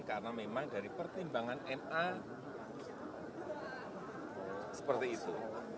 karena memang dari pertimbangan ma seperti itu